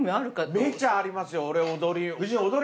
めちゃありますよ、俺、踊り。